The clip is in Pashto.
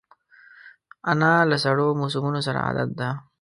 انا له سړو موسمونو سره عادت ده